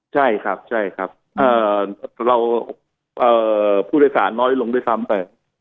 ใช่ครับเราผู้โดยสารล้อลอยลงไปซ้ำ